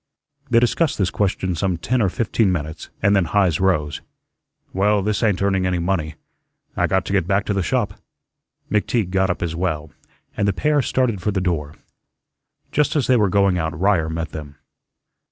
They discussed this question some ten or fifteen minutes and then Heise rose. "Well, this ain't earning any money. I got to get back to the shop." McTeague got up as well, and the pair started for the door. Just as they were going out Ryer met them.